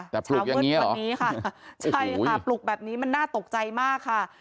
แต่ปลุกอย่างเงี้ยเหรอใช่ค่ะปลุกแบบนี้มันน่าตกใจมากค่ะ